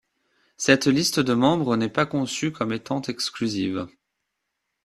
Cette liste de membres n'est pas conçue comme étant exclusive.